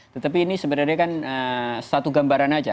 tetapi ini sebenarnya kan satu gambaran aja